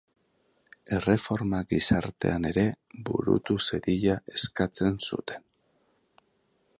Erreforma gizartean ere burutu zedila eskatzen zuten.